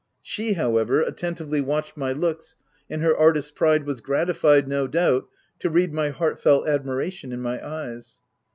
She, however, attentively watched my looks, and her artist's pride was gratified, no doubt, to read my heart felt admiration in my eyes.